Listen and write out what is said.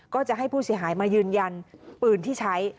ก็จะให้ผู้เสียหายมายืนยันปืนที่ใช้